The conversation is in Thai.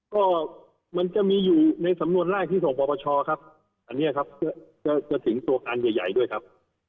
ก็มันจะมีอยู่ในสำนวนแรกที่ส่งปปชครับอันนี้ครับจะถึงตัวการใหญ่ด้วยครับ